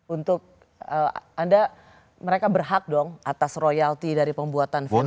untuk anda mereka berhak dong atas royalti dari pembuatan film